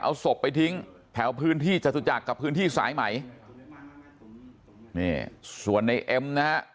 เอาศพไปทิ้งแถวพื้นที่จตุจักรกับพื้นที่สายไหมนี่ส่วนในเอ็มนะฮะ